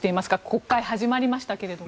国会が始まりましたけど。